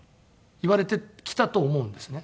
言われてきたと思うんですね。